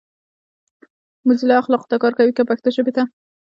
موزیلا اخلاقو ته کار کوي کۀ پښتو ژبې ته؟